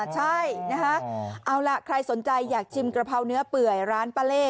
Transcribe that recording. ใช่นะคะเอาล่ะใครสนใจอยากชิมกระเพราเนื้อเปื่อยร้านป้าเล่